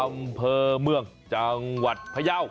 อำเภอเมืองจังหวัดพยาว